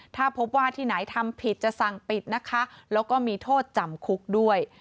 ถ้าพบว่าที่ไหนทำผิดจะสั่งปิดนะคะแล้วก็มีโทษจำคุกด้วย